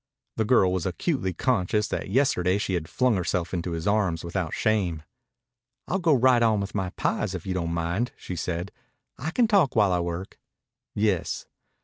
The girl was acutely conscious that yesterday she had flung herself into his arms without shame. "I'll go right on with my pies if you don't mind," she said. "I can talk while I work." "Yes."